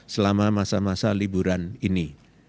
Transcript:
selama masa masa liburan ini